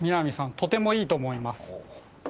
とてもいいと思います。